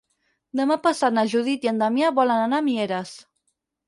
Demà passat na Judit i en Damià volen anar a Mieres.